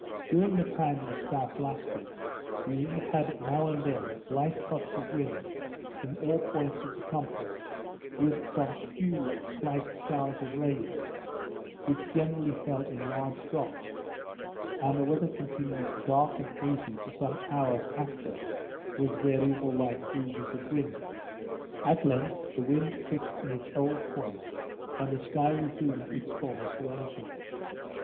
During the time these spouts lasted, we had now and then light puffs of wind from all points of the compass, with some few slight showers of rain, which generally fell in large drops; and the weather continued thick and hazy for some hours after, with variable light breezes of wind. At length the wind fixed in its old point, and the sky resumed its former serenity.